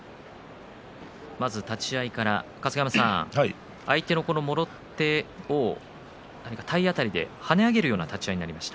立ち合いから相手のもろ手を体当たりで跳ね上げるような立ち合いになりました。